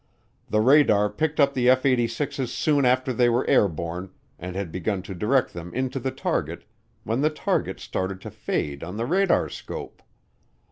The radar picked up the F 86's soon after they were airborne, and had begun to direct them into the target when the target started to fade on the radarscope.